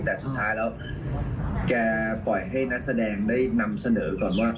แต่สุดท้ายแล้วแกปล่อยให้นักแสดงได้นำเสนอก่อนว่า